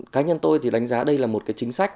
cá nhân tôi thì đánh giá đây là một cái chính sách